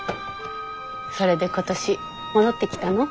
それで今年戻ってきたの？